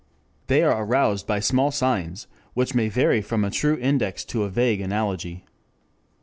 They are aroused by small signs, which may vary from a true index to a vague analogy.